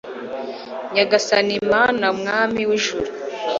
nyagasani mana mwami w'ijuru